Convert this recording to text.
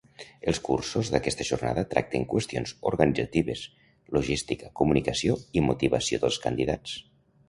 Els cursos d’aquesta jornada tracten qüestions organitzatives, logística, comunicació i motivació dels candidats.